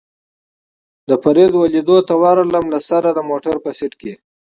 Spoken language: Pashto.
د فرید او لېدلو ته ورغلم، له سره د موټر په سېټ کې.